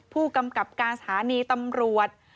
ผู้กำกับการสถานีตำรวจ